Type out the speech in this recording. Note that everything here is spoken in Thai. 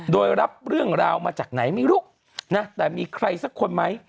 โดยรับเรื่องราวมาจากไหนไม่รู้นะแต่มีใครสักคนไหม